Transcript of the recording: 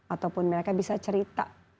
ataupun mereka bisa cerita